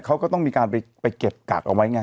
ไปเก็บกากเอาไว้ไง